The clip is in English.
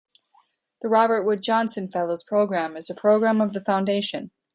The Robert Wood Johnson Fellows program is a program of the foundation.